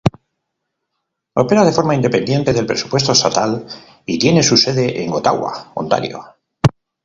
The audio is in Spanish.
Opera de forma independiente del presupuesto estatal y tiene su sede en Ottawa, Ontario.